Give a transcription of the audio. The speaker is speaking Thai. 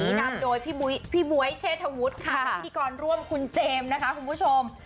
นำโดยพี่บ๊วยเชษฐวุฒิค่ะพิธีกรร่วมคุณเจมส์นะคะคุณผู้ชม